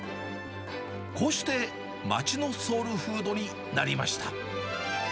こうして町のソウルフードになりました。